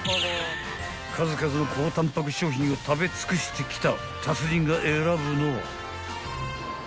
［数々の高タンパク商品を食べ尽くしてきた］